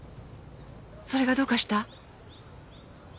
それがどうかした？